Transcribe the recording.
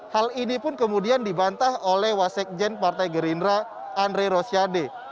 hal ini pun kemudian dibantah oleh wasekjen partai gerindra andre rosiade